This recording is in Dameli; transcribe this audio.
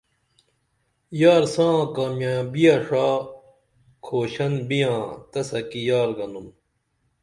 یار ساں کامیابیہ ݜا کھوشن بیاں تسہ کی یار گنُن